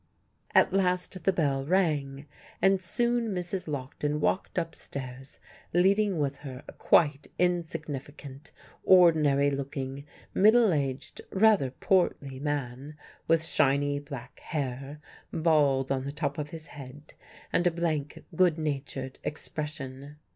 At last the bell rang, and soon Mrs. Lockton walked upstairs, leading with her a quite insignificant, ordinary looking, middle aged, rather portly man with shiny black hair, bald on the top of his head, and a blank, good natured expression.